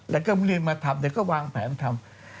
แล้วก็เมื่อเรียนมาทำเดี๋ยวก็วางแผนทำ